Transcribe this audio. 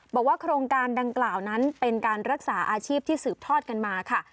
บอกว่าโครงการดังกล่าวนั้นเป็นการรักษาอาชีพที่สืบทอดกันมาค่ะ